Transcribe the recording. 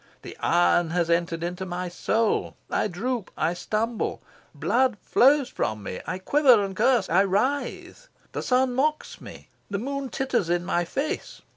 The iron has entered into my soul. I droop. I stumble. Blood flows from me. I quiver and curse. I writhe. The sun mocks me. The moon titters in my face.